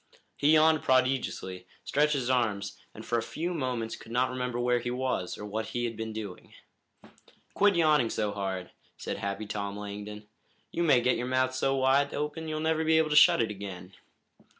He yawned prodigiously, stretched his arms, and for a few moments could not remember where he was, or what he had been doing. "Quit yawning so hard," said Happy Tom Langdon. "You may get your mouth so wide open that you'll never be able to shut it again."